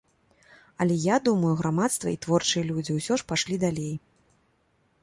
Але, я думаю, грамадства і творчыя людзі ўсё ж пайшлі далей.